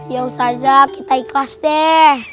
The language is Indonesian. ya ustazah kita ikhlas deh